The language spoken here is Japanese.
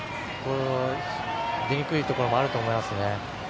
出にくいところもあると思いますね。